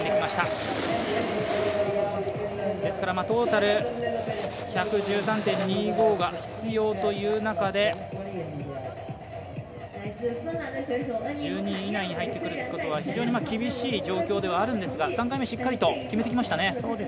トータル１１３．２５が必要という中で１２位以内に入ってくることは非常に厳しい状態ではあるんですが３回目しっかりと決めてきましたね。